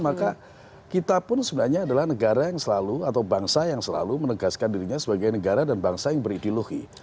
maka kita pun sebenarnya adalah negara yang selalu atau bangsa yang selalu menegaskan dirinya sebagai negara dan bangsa yang berideologi